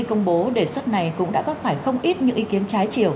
công bố đề xuất này cũng đã vấp phải không ít những ý kiến trái chiều